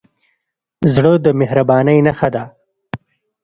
زړه د مهربانۍ نښه ده.